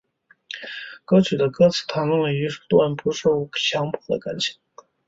歌曲的歌词谈论了一段不受强迫的感情。